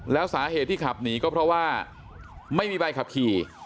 แล้วสาเหตุที่ขับหนีก็เพราะว่าไม่มีใบขับขี่